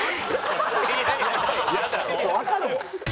わかるよ。